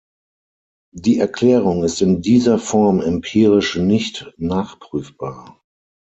Die Erklärung ist in dieser Form empirisch nicht nachprüfbar.